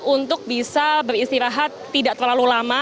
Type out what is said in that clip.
untuk bisa beristirahat tidak terlalu lama